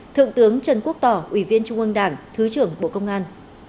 thượng tướng trần quốc tỏ ủy viên trung ương đảng thứ trưởng bộ công an